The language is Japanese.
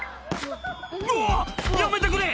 「うわやめてくれ！